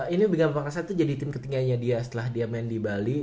ini bima perkasa tuh jadi tim ketinggianya dia setelah dia main di bali